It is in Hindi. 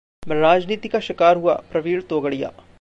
मैं राजनीति का शिकार हुआ: प्रवीण तोगड़िया